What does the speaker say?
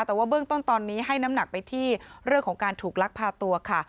แต่ว่าเบื้องต้นตอนนี้ให้น้ำหนักไปที่เรื่องของการถูกลักพาตัวค่ะ